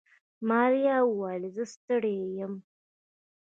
ماريا وويل زه ستړې يم.